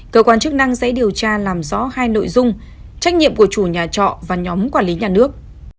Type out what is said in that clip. cơ quan chức năng sẽ điều tra làm rõ hai nội dung trách nhiệm của chủ nhà trọ và nhóm quản lý nhà nước